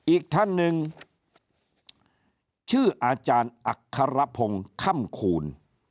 อีกท่านหนึ่งชื่ออาจารย์อัครพงศ์ค่ำคูณ